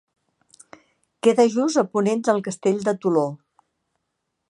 Queda just a ponent del Castell de Toló.